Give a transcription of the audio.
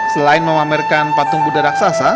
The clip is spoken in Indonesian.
selain memamerkan patung buddha raksasa